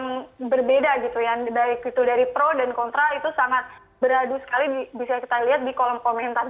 yang berbeda gitu ya baik itu dari pro dan kontra itu sangat beradu sekali bisa kita lihat di kolom komentar